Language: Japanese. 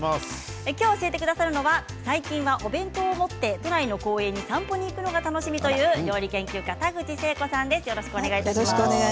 今日教えてくださるのは最近はお弁当を持って都内の公園に散歩に行くのが楽しみという料理研究家の田口成子さんです。